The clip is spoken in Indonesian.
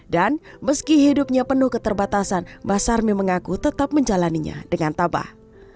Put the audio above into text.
dan meski hidupnya penuh keterbatasan mbak sarmi mengaku tetap menjalannya dengan tabah